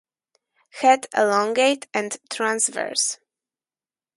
Head elongate and transverse.